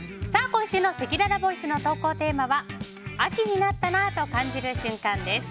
今週のせきららボイスの投稿テーマは秋になったなぁと感じる瞬間です。